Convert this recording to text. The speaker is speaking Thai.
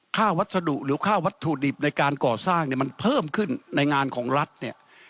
วัสดุหรือค่าวัตถุดิบในการก่อสร้างเนี่ยมันเพิ่มขึ้นในงานของรัฐเนี่ย